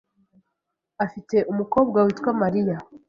Afite umukobwa witwa Mariya .